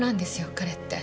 彼って。